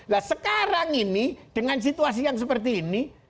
nah sekarang ini dengan situasi yang seperti ini